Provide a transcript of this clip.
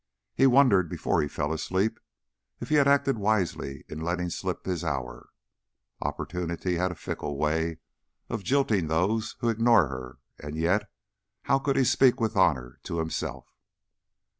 He wondered, before he fell asleep, if he had acted wisely in letting slip his hour. Opportunity has a fickle way of jilting those who ignore her, and yet how could he speak with honor to himself?